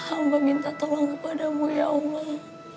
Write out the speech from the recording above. hamba minta tolong kepadamu ya allah